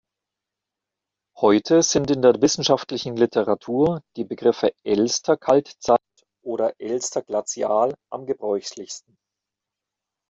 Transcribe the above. Heute sind in der wissenschaftlichen Literatur die Begriffe Elster-Kaltzeit oder Elster-Glazial am gebräuchlichsten.